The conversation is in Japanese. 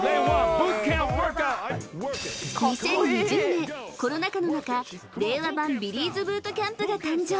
［２０２０年コロナ禍の中令和版ビリーズブートキャンプが誕生］